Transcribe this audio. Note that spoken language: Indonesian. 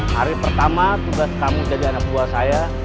hari pertama tugas kamu jadi anak buah saya